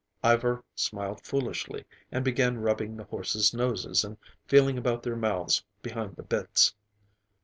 Ivar smiled foolishly, and began rubbing the horses' noses and feeling about their mouths behind the bits.